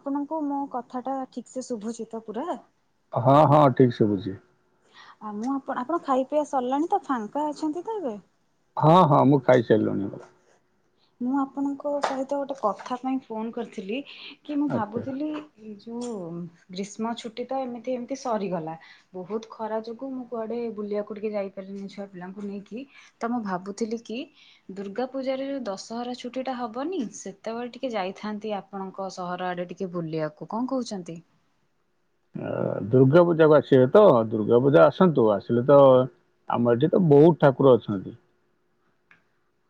ଆପଣଙ୍କୁ ମୁଁ କଥା ଟା ଠିକ ସେ ଶୁଭଚିତ ପୁରା। ହଁ ହଁ ଠିକ ଶୁଭୁଚି। ଆଉ ମୁଁ ଆପଣ ଆପଣ ଖାଇ ପିଇବା ସରିଲାଣି ତ ଫାଙ୍କା ଅଛନ୍ତି ତ ଏବେ। ହଁ ହଁ ମୁଁ ଖାଇସାରିଲୁଣିି ପୁରା। ମୁଁ ଆପଣଙ୍କ ସହିତ ଗୋଟେ କଥା ପାଇଁ ଫୋନ କରିଥିଲି। କି ମୁଁ ଆଚ୍ଛା। ଭାବୁଥିଲି ଏଇ ଯୋ ମୁଁ ଗ୍ରୀଷ୍ମ ଛୁଟି ତ ଏମିତି ଏମତି ସରିଗଲା ବହୁତ ଖରା ଯୋଗୁ ମୁଁ କୁଆଡେ ବୁଲିବାକୁ ଟିକେ ଯାଇପାରିନି ଛୁଆ ପିଲାଙ୍କୁ ନେଇକି ତ ମୁଁ ଭାବୁଥିଲି କି ଦୁର୍ଗା ପୂଜାରେ ଯୋଉ ଦଶ ସହର ଛୁଟି ଟା ହବନି ସେତେବେଳେ ଟିକେ ଯାଇଥାନ୍ତି ଆପଣଙ୍କ ସହର ଆଡେ ଟିକେ ବୁଲିବାକୁ କଣ କହୁଛନ୍ତି। ଦୁର୍ଗା ପୂଜାକୁ ଆସିଲେ ତ ଦୁର୍ଗା ପୂଜା ଆସନ୍ତୁ ଆସିଲେ ତ ଆମ ଏଠି ତ ବହୁତ ଠାକୁର ଅଛନ୍ତି।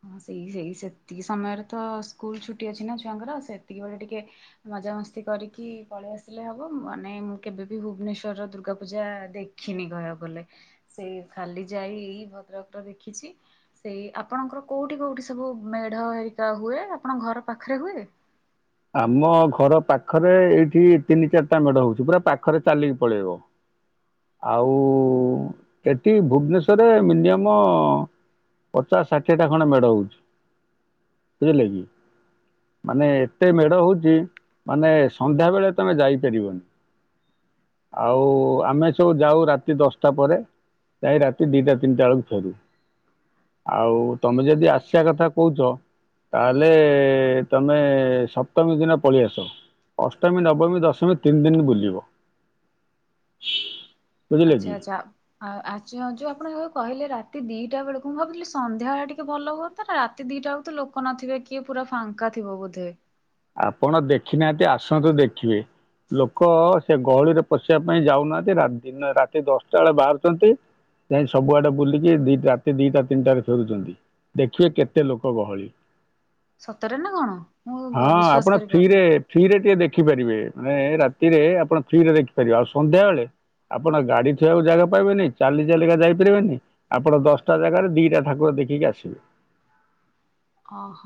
ହଁ ସେଇ ସେଇ ସେତିକି ସମୟରେ ତ ସ୍କୁଲ ଛୁଟି ଅଛି ନା ଛୁଆଙ୍କର ସେତିକି ବେଳେ ଟିକେ ମଜାମସ୍ତି କରିକି ପଳେଇ ଆସିଲେ ହବ ମାନେ ମୁଁ କେବେବ ଭୁବନେଶ୍ଵରର ଦୁର୍ଗା ପୂଜା ଦେଖିନି କହିବାକୁ ବଲେ ସେ ଖାଲି ଯାଇ ଭଦ୍ରକର ଦେଖିଛି ସେଇ ଆପଣଙ୍କର କୋଉଠି କୋଉଠି ସବୁ ମେଢ ଏରିକା ହୁଏ ଆପଣ ଘର ପାଖରେ ହୁଏ। ଆମ ଘର ପାଖରେ ଏଇଠି ତିନି ଚାରିଟା ମେଡ଼ ହେଉଛି ପୁରା ପାଖରେ ଚାଲିକି ପଳେଇବ ଆଉ ଏଠି ଭୁବନେଶ୍ୱରରେ ମିନିମମ୍ ପଚାଶ ଷାଠିଏଟା ଖଣ୍ଡ ମେଡ଼ ହେଉଛି ବୁଝିଲେ କି ମାନେ ଏତେ ମେଢ ହଉଛି ମାନେ ସନ୍ଧ୍ୟାବେଳେ ତମେ ଯାଇପାରିବନି ଆଉ ଆମେ ସବୁ ଯାଉ ରାତି ଦଶଟା ପରେ ଯାଇ ରାତି ଦିଟା ତିନିଟା ବେଳକୁ ଫେରୁ ଆଉ ତମେ ଯଦି ଆସିବା କଥା କହୁଛ ତାହେଲେ ତମେ ସପ୍ତମୀ ଦିନ ପଳେଇ ଆସ ଅଷ୍ଟମୀ ନବମୀ ଦଶମୀ ତିନି ଦିନ ବୁଲିବ। ବୁଝିଲେ ଆଚ୍ଛା କି ଆଚ୍ଛା ଆ ଆଚ୍ଛା ଯୋଉ ଆପଣ ଏବେ କହିଲେ ରାତି ଦିଟା ବେଳୁକୁ ମୁଁ ଭାବିଲି ସନ୍ଧ୍ୟାଏଳେ ଟିକେ ଭଲ ହୁଅନ୍ତା ନାଁ ରାତି ଦିଟା ଅଳୁକୁ ତ ଲୋକ ନଥିବେ କିଏ ପୁରା ଫାଙ୍କା ଥିବ ବୋଧେ। ଆପଣ ଦେଖିନାହାନ୍ତି ଆସନ୍ତୁ ଦେଖିବେ ଲୋକ ସେ ଗହଳିରେ ପଶିବା ପାଇଁ ଯାଉନାହାନ୍ତି ରା ଦିନ ରାତି ଦଶଟା ଏଳେ ବାହାରୁଚନ୍ତି ଯାଇଁ ସବୁଆଡ଼େ ବୁଲିକିି ଦିଟା ରାତି ଦିଟା ତିନିଟାରେ ଫେରୁଚନ୍ତି। ଦେଖିବେ କେତେ ଲୋକ ଗହଳି। ସତରେ ନାଁ କଣ? ମୁଁ ହଁ ବିଶ୍ଵାସ ଆପଣ କରିପାରୁନି। ଫ୍ରୀରେ ଫ୍ରୀରେ ଟିକେ ଦେ ଖିପାରିବେ ମାନେ ରାତିରେ ଆପଣ ଫ୍ରିରେ ରଖିପାରିବେ ଆଉ ସନ୍ଧ୍ୟା ଏଳେ ଆପଣ ଗାଡ଼ି ଥୋଇବାକୁ ଜାଗା ପାଇବେନେଇ ଚାଲି ଚାଲିକା ଯାଇପାରିବେନେଇ ଆପଣ ଦଶଟା ଜାଗାରେ ଦିଟା ଠାକୁର ଦେଖିକି ଆସିବେ। ଅ ହ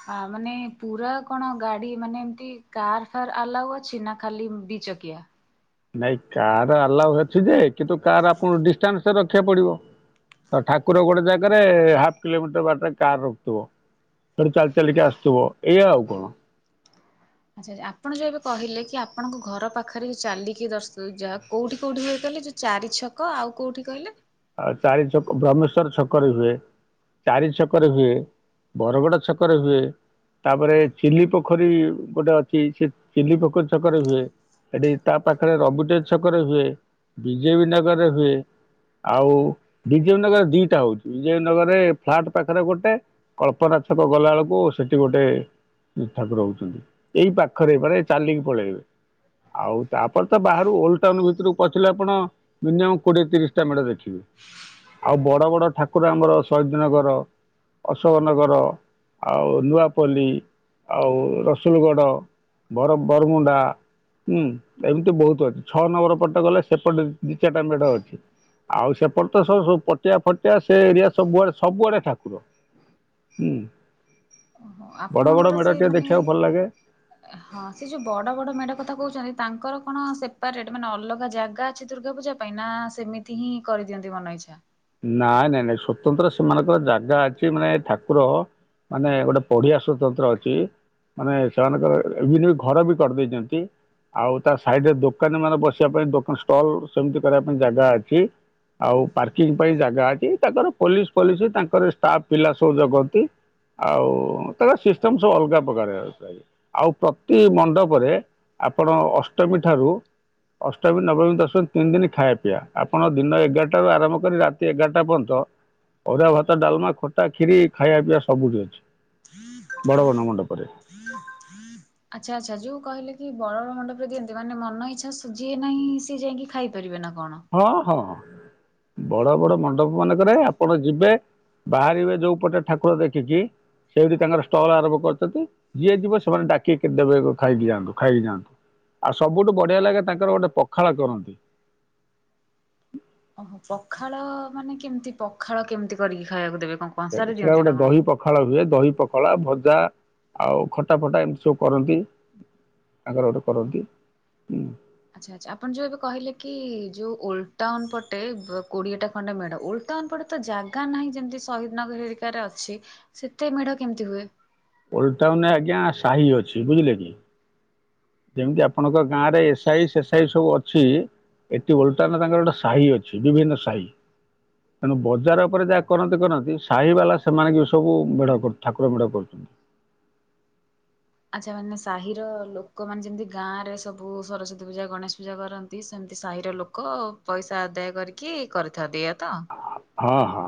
ହା ମାନେ ପୁରା କଣ ଗାଡ଼ି ମାନେ ଏମତି କାର ଫାର୍ ଆଲାଉ ଅଛି ନାଁ ଖାଲି ଦିଚକିଆ? ନାଇଁ କାର ଆଲାଉ ଅଛି ଯେ କିନ୍ତୁ କାର୍ ଆପଣ ଡିଷ୍ଟାନ୍ସ ତେ ରଖିବାକୁ ପଡ଼ିବ। ତ ଠାକୁର ଗୋଟେ ଜାଗାରେ ହାପ୍ କିଲୋମିଟର ବାଟରେ କାର ରଖୁଥୁବ ସେଠୁ ଚାଲି ଚାଲିକା ଆସୁଥୁବ। ଏଇଆ ଆଉ କଣ। ଆଚ୍ଛା ଯେ ଆପଣ ଯୋଉ ଏବେ କହିଲେ କି ଆପଣଙ୍କ ଘର ପାଖରେ ଯଉ ଚାଲିକି ଦର୍ଶ ଉ ଯାହା କୋଉଠି କୋଉଠି ହୁଏ କହିଲେ ଯୋଉ ଚାରି ଛକ ଆଉ କୋଉଠି କହିଲେ? ଆଉ ଚାରି ଛକ ବ୍ରହ୍ମେଶ୍ଵର ଛକରେ ହୁଏ ଚାରି ଛକରେ ହୁଏ ବରଗଡ଼ ଛକରେ ହୁଏ ତାପରେ ଚିଲି ପୋଖରୀ ଗୋଟେ ଅଛି ସେ ଚିଲି ପୋଖରୀ ଛକରେ ହୁଏ‌। ହେଠି ତା ପାଖରେ ରଘୁ ଦେହୁରୀ ଛକରେ ହୁଏ। ବି ଜେ ବି ନଗରରେ ହୁଏ। ଆଉ ବିଜୟନଗର ଦିଇଟା ହୋଉଚି। ବିଜୟନଗରରେ ଫ୍ଲାଟ୍ ପାଖରେ ଗୋଟେ କଳ୍ପନା ଛକ ଗଲା ଓଳୁକୁ ସେଠି ଗୋଟେ ଏ ଠାକୁର ହୋଉଛନ୍ତି। ଏଇ ପାଖରେ ମାନେ ଏ ଚାଲିକି ପଳେଇବେ। ଆଉ ତାପରେ ତ ବାହାରୁ ଓଲ୍ଡ ଟାଉନ ଭିତୁରୁକୁ ପଶିଲେ ଆପଣ ମିନିମମ୍ କୋଡ଼ିଏ ତିରିଶ ଟା ମେଢ଼ ଦେଖିବେ। ଆଉ ବଡ଼ ବଡ଼ ଠାକୁର ଆମର ସହିଦନଗର ଅଶୋକନଗର ଆଉ ନୂଆପଲ୍ଲୀ ଆଉ ରସୁଲଗଡ଼ ବର ବରମୁଣ୍ଡା ହୁଁ ଏମିତି ବୋହୁତ ଅଛି। ଛଅ ନମ୍ବର ପଟେ ଗଲେ ସେପଟେ ଦି ଚାରିଟା ମେଢ ଅଛି। ଆଉ ସେପଟ ତ ସବୁ ସବୁ ପଟିଆ ଫଟିଆ ସେ ଏରିଆ ସବୁଆଡ଼େ ସବୁଆଡ଼େ ଠାକୁର ଉଁ। ହଁ ଆପଣଙ୍କର ସେ ମାନେ ଲାଗେ ହଁ ସେ ଯୋଉ ବଡ଼ ବଡ଼ ମେଢ଼ କଥା କୋହୁଚନ୍ତି ତାଙ୍କର କଣ ସେପାରେଟ ମାନେ ଅଲଗା ଜାଗା ଅଛି ଦୁର୍ଗା ପୂଜା ପାଇଁ ନାଁ ସେମିତି ହିଁ କରିଦିଅନ୍ତି ମନ ଇଚ୍ଛା। ନାଇଁ ନାଇଁ ନାଇଁ ସ୍ୱତନ୍ତ୍ର ସେମାନଙ୍କର ଜାଗା ଅଛି ମାନେ ଠାକୁର ମାନେ ଗୋଟେ ପଡ଼ିଆ ସ୍ୱତନ୍ତ୍ର ଅଛି ମାନେ ସେମାନଙ୍କର ଇଭିନ୍ ବି ଘର ବି କରିଦେଇଚନ୍ତି। ଆଉ ତା ସାଇଡ଼ରେ ଦୋକାନୀ ମାନ ବସିବା ପାଇଁ ଦୋକାନ ଷ୍ଟଲ ସେମତି କରିବା ପାଇଁ ଜାଗା ଅଛି। ଆଉ ପାର୍କ କିଙ୍ଗ ପାଇଁ ଜାଗା ଅଛି। ତାଙ୍କର ପୋଲିସ ପୋଲିସ ତାଙ୍କର ଷ୍ଟାଫ୍ ପିଲା ସବୁ ଜଗନ୍ତି। ଆଉ ତାଙ୍କର ସିଷ୍ଟମ୍ ସବୁ ଅଲଗା ପ୍ରକାର ପ୍ରାୟ। ଆଉ ପ୍ରତି ମଣ୍ଡପରେ ଆପଣ ଅଷ୍ଟମୀ ଠାରୁ ଅଷ୍ଟମୀ ନବମୀ ଦଶମୀ ତିନି ଦିନି ଖାଇବା ପିଇବା ଆପଣ ଦିନ ଏଗାରଟାରୁ ଆରମ୍ଭ ବାରି ରାତି ଏଗାରଟା ପର୍ଯ୍ୟନ୍ତ ଅରୁଆ ଭାତ ଡାଲମା ଖଟା କ୍ଷିରି ଖାଇବା ପିଇବା ସବୁଠି ଅଛି ବଡ଼ ବଡ଼ ମଣ୍ଡପରେ। ଆଚ୍ଛା ଆଚ୍ଛା ଯୋଉ କହିଲେ କି ବଡ଼ ବଡ଼ ମଣ୍ଡପରେ ଦିଅନ୍ତି ମାନେ ମନ ଇଚ୍ଛା ସୁ ଜିଏ ନାହିଁ ସିଏ ଯାଇକି ଖାଇ ପାରିବେ ନାଁ? ହଁ ହଁ। ବଡ ବଡ ମଣ୍ଡପ ମାନଙ୍କରେ ଆପଣ ଯିବେ ବାହାରିବେ ଯୋଉ ପଟେ ଠାକୁର ଦେଖିକି ସେଇଠି ତାଙ୍କର ଷ୍ଟଲ ଆରମ୍ଭ କରିଚନ୍ତି ଯିଏ ଯିବେ ସେମାନେ ଡାକିକି ଦେବେ ଖାଇକି ଯାଆନ୍ତୁ ଖାଇକି ଯାଆନ୍ତୁ ଆଉ ସବୁଠୁ ବଢ଼ିଆ ଲାଗେ ତାଙ୍କର ଗୋଟେ ପଖାଳ କରନ୍ତି। ଉଁ ଓହୋ ପଖାଳ ମାନେ କେମିତି ପଖାଳ କେମିତି କରିକି ଖାଇବାକୁ ଦେବେ? କଣ କଂସାରେ ଏଠିକା ଦିଅନ୍ତି ନା ଗୋଟେ କଣ? ଦହି ପଖାଳ ହୁଏ ଦହି ପଖଳା ଭଜା ଆଉ ଖଟା ଫଟା ଏମତି ସବୁ କରନ୍ତି ତାଙ୍କର ଗୋଟେ କରନ୍ତି ଉଁ। ଆଚ୍ଛା ଆଚ୍ଛା ଆପଣ ଯୋଉ ଏବେ କହିଲେ କି ଯୋଉ ଓଲ ଟାଉନ୍ ପଟେ ବ କୋଡିଏଟା ଖଣ୍ଡେ ମେଢ ଓଲ ଟାଉନ୍ ପଟେ ତ ଜାଗା ନାହିଁ। ଯେମତି ଶହୀଦନଗର ହେରିକାରେ ଅଛି ସେତେ ମେଢ କେମିତି ହୁଏ? ଓଲ ଟାଉନରେ ଆଜ୍ଞା ସାହି ଅଛି। ବୁଝିଲେ କି? ଯେମତି ଆପଣଙ୍କ ଗାଁରେ ଏ ସାହି ସେ ସାହି ସବୁ ଅଛି ଏଠି ଓଲ ଟାଉନରେ ତାଙ୍କର ଗୋଟେ ସାହି ଅଛି ବିଭିନ୍ନ ସାହି। ତେଣୁ ବଜାର ଓପରେ ଯାହା କରନ୍ତି କରନ୍ତି ସାହି ବାଲା ସେମାନେ ଯୋଉ ସବୁ ବଢ଼ିଆ କରୁ ଠାକୁର ବଢ଼ିଆ କରୁଚନ୍ତି। ଆଚ୍ଛା ମାନେ ସାହିର ଲୋକମାନେ ଯେମତି ଗାଁରେ ସବୁ ସରସ୍ଵତୀ ପୂଜା ଗଣେଶ ପୂଜା କରନ୍ତି ସେମତି ସାହିର ଲୋକ ପଇସା ଆଦାୟ କରିକି କରିଥାନ୍ତି। ଏଇୟଆ ତ? ହଁ ହଁ।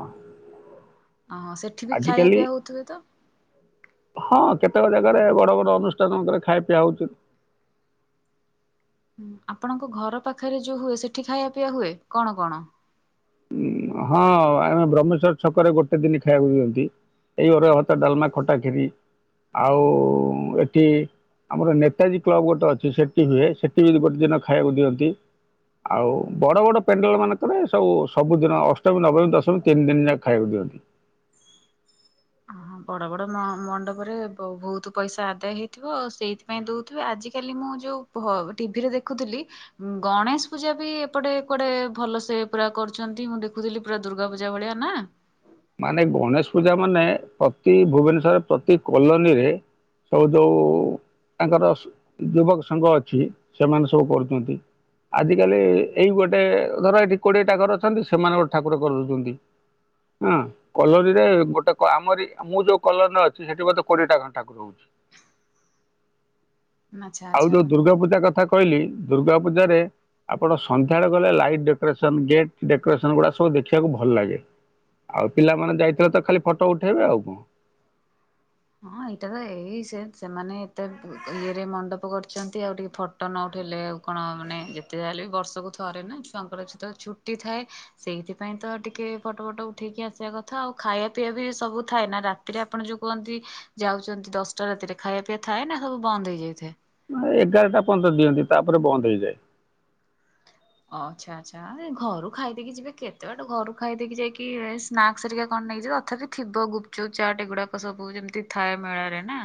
ଅଁ ହଁ ସେଠି ବି ଖାଇବା ଆଜିକାଲି ପିଇବା ହୋଉଥୁବେ ତ? ତକ ଜାଗାରେ ବଡ଼ ବଡ଼ ଅନୁଷ୍ଠାନଙ୍କରେ ଖାଇବା ପିଇବା ହୋଉଚି। ଆପଣଙ୍କ ଘର ପାଖରେ ଯୋଉ ହୁଏ ସେଠି ଖାଇବା ପିଇବା ହୁଏ କଣ କଣ? ଉଁ ଆମେ ବ୍ରହ୍ମେଶ୍ୱର ଛକରେ ଗୋଟେ ଦିନ ଖାଇବାକୁ ଦିଅନ୍ତି ଏଇ ଅରୁଆ ଭାତ ଡାଲମା ଖଟା ଖିରି। ଆଉ ଏଠି ଆମର ନେତାଜୀ କ୍ଲବ ଗୋଟେ ଅଛି। ସେଠି ହୁଏ ସେଠି ବି ଗୋଟେ ଦିନ ଖାଇବାକୁ ଦିଅନ୍ତି। ଆଉ ବଡ଼ ବଡ଼ ପେଣ୍ଡାଲ ମାନଙ୍କରେ ସବୁ ସବୁଦିନ ଅଷ୍ଟମୀ ନବମୀ ଦଶମୀ ତିନି ଦିନ ଯାକ ଖାଇବାକୁ ଦିଅନ୍ତି। ହଁ ବଡ଼ ବଡ଼ ମ ମଣ୍ଡପରେ ବ ଭୋଉତୁ ପଇସା ଆଦାୟ ହେଇଥିବ ଆଉ। ସେଇଥିପାଇଁ ଦୋଉଥୁବେ ଆଜିିକାଲି ମୁଁ ଯୋଉ ଭ ଟିଭିରେ ଦେଖୁଥୁଲି ଉଁ ଗଣେଶ ପୂଜା ବି ଏପଟେ କୁଆଡ଼େ ଭଲସେ ପୁରା କରୁଚନ୍ତି। ମୁଁ ଦେଖୁଥିଲି ପୁରା ଦୁର୍ଗା ପୂଜା ଭଳିଆ। ନାଁ? ମାନେ ଗଣେଶ ପୂଜା ମାନେ ପ୍ରତି ଭୁବନେଶ୍ୱରରେ ପ୍ରତି କଲୋନୀରେ ସବୁ ଯୋଉ ତାଙ୍କର ସୁ ଯୁବକ ସଂଘ ଅଛି ସେମାନେ ସବୁ କରୁଚନ୍ତି। ଆଜିକାଲି ଏଇ ଗୋଟେ ଧର ଏଠି କୋଡ଼ିଏଟା ଘର ଅଛନ୍ତି ସେମାନେ ଗୋଟେ ଠାକୁର କରିଦୋଉଚନ୍ତି। ଆଁ କଲୋନୀରେ ଗୋଟେ କ ଆମରି ମୁଁ ଯୋଉ କଲନୀରେ ଅଛି ସେଠି ବୋଧେ କୋଡ଼ିଏଟା ଖଣ୍ଡେ ଠାକୁର ହୋଉଛି। ଆଚ୍ଛା ଆଉ ଯୋଉ ଆଚ୍ଛା ଦୁର୍ଗା ପୂଜା କଥା କହିଲି ଦୁର୍ଗା ପୂଜାରେ ଆପଣ ସନ୍ଧ୍ୟାଳେ ଗଲେ ଲାଇଟ୍ ଡେକୋରେସନ୍ ଗେଟ୍ ଡେକୋରେସନ୍ ଗୁଡ଼ା ସବୁ ଦେଖିବାକୁ ଭଲ ଲାଗେ। ଆଉ ପିଲାମାନେ ଯାଇଥିଲେ ତ ଖାଲି ଫଟ ଉଠେଇବେ ଆଉ କଣ। ହଁ ଏଇଟା ତ ଏଇ ସେ ସେମାନେ ଏତେ ଇଏରେ ମଣ୍ଡପ କରିଛନ୍ତି ଆଉ ଟିକେ ଫଟୋ ନ ଉଠେଇଲେ ଆଉ କଣ ମାନେ ଯେତେ ଯା ହେଲେ ବି ବର୍ଷକୁ ଥରେ ନା ଛୁଆଙ୍କର ସତ ଛୁଟି ଥାଏ ସେଇଥିପାଇଁ ତ ଟିକେ ଫଟୋ ଫଟୋ ଉଠେଇକି ଆସିବା କଥା ଆଉ ଖାଇବା ପିଇବା ବି ସବୁ ଥାଏ ନା ରାତିରେ ଆପଣ ଯୋଉ କୁହନ୍ତି। ଯାଉଛନ୍ତି ଦଶଟା ରାତିରେ ଖାଇବା ପିଇବା ଥାଏ ନା ସବୁ ବନ୍ଦ ହେଇଯାଇଥାଏ। ଏଗାରଟା ପନ୍ତ ଦିଅନ୍ତି ତାପରେ ବନ୍ଦ ହେଇଯାଏ। ଓ ଆଛା ଆଚ୍ଛା ଘରୁ ଖାଇଦେଇକି ଯିବେ କେତେ ବାଟ ଘରୁ ଖାଇଦେଇକି ଯାଇକି ସ୍ନାକ୍ସ ହେରିକା କଣ ନେଇକଯିବେ ତଥାପି ଥିବ ଗୁପଚୁପ ଚାଟ ଏଗୁଡାକ ସବୁ ଯେମିତି ଥାଏ ମେଳାରେ ନା।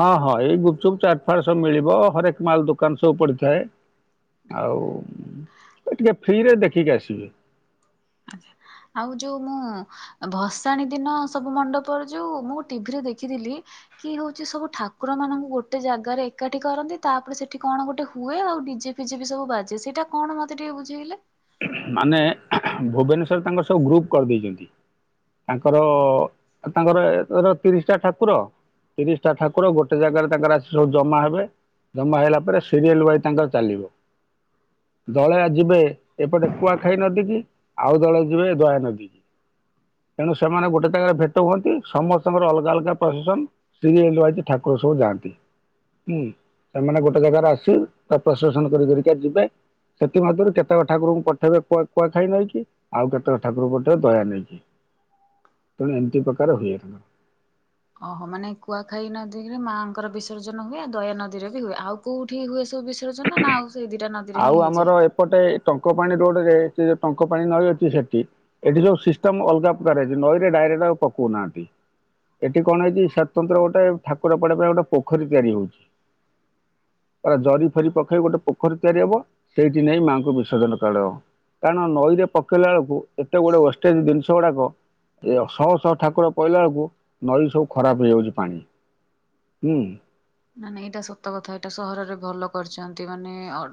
ହଁ ହଁ ଏଇ ଗୁପଚୁପ୍ ଚାଟଫାଟ ସବୁ ମିଳିବ ହରେକ ମାଲ୍ ଦୋକାନ ସବୁ ପଡ଼ିଥାଏ ଆଉ ଟିକେ ଫ୍ରିରେ ଦେଖିକି ଆସିବେ। ଆା ଆଉ ଯୋଉ ମୁଁ ଭସାଣିୀ ଦିନ ସବୁ ମଣ୍ଡପରେ ଯୋଉ ମୁଁ ଟିଭିରେ ଦେଖିଥିଲି କି ହଉଛି ସବୁ ଠାକୁର ମାନଙ୍କୁ ଗୋଟେ ଜାଗାରେ ଏକାଠି କରନ୍ତି ତାପରେ ସେଠି କଣ ଗୋଟେ ହୁଏ ଆଉ ଡିଜେ ଫିଜେ ବି ସବୁ ବାଜେ ସେଇଟା କଣ ମତେ ଟିକେ ବୁଝେଇଲେ। ମାନେ ଭୁବନେଶ୍ଵର ତାଙ୍କର ସବୁ ଗ୍ରୁପ କରିଦେଇଛନ୍ତି ତାଙ୍କର ତାଙ୍କର ଏର ତିରିଶଟା ଠାକୁର ତିରିଶଟା ଠାକୁର ଗୋଟେ ଜାଗାରେ ତାଙ୍କର ଆସି ସବୁ ଜମା ହେବେ ଜମା ହେଲା ପରେ ସିରିଏଲ ୱାଇଜ ତାଙ୍କର ଚାଲିବ ଦଳେ ଆ ଯିବେ। ଏପଟେ କୁଆଖାଇ ନଦୀ କିି ଆଉ ଦଳ ବି ଯିବେ ଦୟାାନଦୀ କି ତେଣୁ ସେମାନେ ଗୋଟେ ଜାଗାରେ ଭେଟ ହୁଅନ୍ତି ସମସ୍ତଙ୍କର ଅଲଗା ଅଲଗା ପ୍ରସେସନ ସିରିଏଲ ୱାଇଜ ଠାକୁର ସବୁ ଯାଆନ୍ତି ହୁଁ ସେମାନେ ଗୋଟେ ଜାଗାରେ ଆସି ତା ପ୍ରସେସନ କରିିକି ଯିବେ ସେଥିମଧ୍ୟରୁ କେତେକ ଠାକୁର ଙ୍କୁ ପଠେଇବେ କୁଆଖାଇ ନଇ କି ଆଉ କେତେକ ଠାକୁରଙ୍କୁ ପଠେଇଵେ ଦୟା ନଇକି ତେଣୁ ଏମିତି ପ୍ରକାର ହୁଏ ତାଙ୍କର। ଓହୋ ମାନେ କୁଆଖାଇ ନଦୀରେ ମାଆଙ୍କର ବିସର୍ଜନ ହୁଏ ଆଉ ଦୟା ନଦୀରେ ବି ହୁଏ ଆଉ କୋଉଠି ହୁଏ ସବୁ ବିସ ର୍ଜନ ନା ଆଉ ସେ ଦିଟା ନ ଆଉ ଆମର ଏପଟେ। ଟଙ୍କ ପାାଣି ରୋଡ ରେ ସେ ଯୋଉ ଟଙ୍କପାଣି ନଈ ଅଛି ସେଠି ଏଠି ସବୁ ସିଷ୍ଟମ ଅଲଗା ପ୍ରକାର ଅଛି ନଈରେ ଡାଇରେକ୍ଟ ଆଉ ପକଉନାହାନ୍ତି ଏଠି କଣ ହେଇଛି ସ୍ୱତନ୍ତ୍ର ଗୋଟେ ଠାକୁରପଡିଵା ପାଇଁ ଗୋଟେ ପୋଖରୀ ତିଆରି ହଉଛି ଜରି ଫରି ପଖେଇ ଗୋଟେ ପୋଖରୀ ତିଆରି ହେବ ସେଇଠି ନେଇ ମାଆଙ୍କୁ ବିସର୍ଜନ କଡାହବ କାରଣ ନଈରେ ପକେଇଲା ବେଳକୁ ଏତେ ଗୁଡେ ୱେଷ୍ଟେଜ ଜିନିଷ ଗୁଡ଼ାକ ଯେ ଶହ ଶହ ଠାକୁର ପଇଲା ବେଳକୁ ନଈ ସବୁ ଖରାପ ହେଇଯାଉଛି ପାଣି। ହୁଁ ନା ନାଇଁ ଏଇଟା ସତ କଥା ଏଇଟା ସହରରେ ଭଲ କରିଛନ୍ତି ମାନେ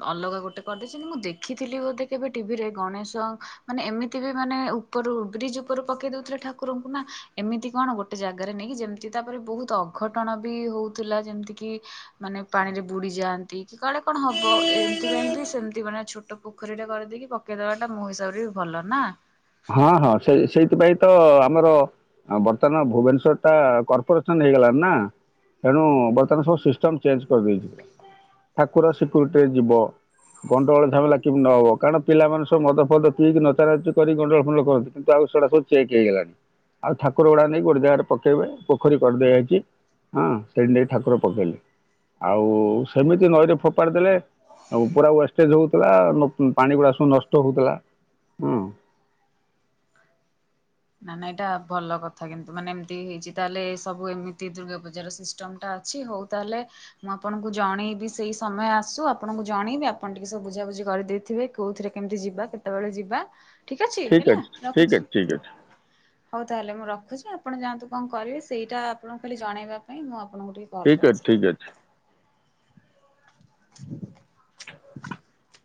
ଅଲଗା ଗୋଟେ କରିଦେଇଛନ୍ତି ମୁଁ ଦେଖିଥିଲି ବୋଧେ କେବେ ଟିଭିରେ ଗଣେଶ ମାନେ ଏମିତି ବି ମାନେ ଉପରୁ ବ୍ରିଜ ଉପରୁ ପକେଇ ଦଉଥିଲେ ଠାକୁରଙ୍କୁ ନା ଏମିତି କଣ ଗୋଟେ ଜାଗାରେ ନେଇକି ଯେମିତି ତାପରେ ବହୁତ ଅଘଟଣ ବି ହଉଥିଲା ଯେମିତିକି। କି ମାନେ ପାଣିରେ ବୁଡି ଯାଆନ୍ତି କି କାଳେ କଣ ହବ ଏମତି ପାଇଁ ବି ସେମତି ମାନେ ଛୋଟ ପୋଖରୀ ଟା କରିଦେଇକି ପକେଇଦବା ଟା ମୋ ହିସାବରେ ବି ଭଲ ନା। ସେଥିପାଇଁ ତ ଆମର ବର୍ତ୍ତମାନ ଭୁବନେଶ୍ୱର ଟା କର୍ପୋରେସନ ହେଇଗଲାଣି ନା ତେଣୁ ବର୍ତ୍ତମାନ ସବୁ ସିଷ୍ଟମ ଚେଞ୍ଜ କରିଦେଇଛି ଠାକୁର ସିକ୍ୟୁରିଟିରେ ଯିବ ଗଣ୍ଡଗୋଳ ଝାମିଲା କେମିତି ନହବ କାରଣ ପିଲାମାନେ ସବୁ ମଦ ଫଦ ପିଇକି ନଚାନଚି କରିକି। ଗଣ୍ଡଗୋଳ ଫଣ୍ଡଗୋଳ କରନ୍ତି କିନ୍ତୁ ଆଉ ସେଗୁଡ଼ା ସବୁ ଚେକ୍ ହେଇଗଲାଣି ଆଉ ଠାକୁର ଗୁଡ଼ାକ ନେଇ ଗୋଟିଏ ଜାଗାରେ ପକେଇବେ ପୋଖରୀ କରିଦେଇଯାଇଛି ହଁ ସେଇଠି ନେଇକି ଠାକୁର ପକେଇଲି ଆଉ ସେମିତି ନଈରେ ଫୋପାଡ଼ି ଦେଲେ ଆଉ ପୁରା ୱେଷ୍ଟେଜ୍ ହେଉଥିଲା ପାଣି ଗୁଡ଼ା ସବୁ ନଷ୍ଟ ହେଉଥିଲା ଆଁ ନା ଏଇଟା ଭଲ କଥା କିନ୍ତୁ ମାନେ ଏମିତି ହେଇଛି ତାହେଲେ ଏ ସବୁ ଏମିତି ଦୁର୍ଗା ପୂଜାର ସିଷ୍ଟମ ଟା ଅଛି ହଉ ତାହେଲେ ମୁଁ ଆପଣଙ୍କୁ ଜଣେଇବି ସେଇ ସମୟ ଆସୁ ଆପଣଙ୍କୁ ଜଣେଇବି ଆପଣ ଟିକେ ସବୁ ବୁଝାାବୁଝି କରିଦେଇଥିବେ କୋଉଥିରେ କେମିତି ଯିବା କେତେବେଳେ ଯିବା। ଠିକ ଅଛି ହେଲା ଠିକ ରଖୁଛି। ଅଛି ଠିକ ଅଛି। ହଉ ତାହେଲେ ମୁଁ ରଖୁଛି ଆପଣ ଯାଆନ୍ତୁ କଣ କରିବେ ସେଇଟା ଆପଣଙ୍କୁ ଖାଲି ଜଣାଇବା ପାଇଁ ମୁଁ ଆପଣ। ଆପଣଙ୍କୁ ଟିକେ କଲ୍ ଠିକ୍ ଅଛି ଠିକ୍ ଅଛି କରିଥିଲି। [inaudible]